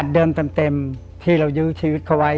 เดินเต็มที่เรายื้อชีวิตเขาไว้